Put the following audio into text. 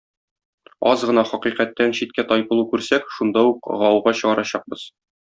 Аз гына хакыйкатьтән читкә тайпылу күрсәк, шунда ук гауга чыгарачакбыз.